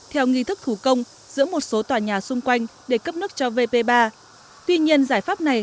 theo nghi thức thủ công giữa một số tòa nhà xung quanh để cấp nước cho vp ba tuy nhiên giải pháp này